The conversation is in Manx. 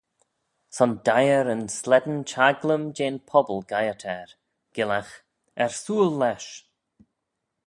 Son deiyr yn slane chaglym jeh'n pobble geiyrt er, gyllagh, Ersooyl lesh.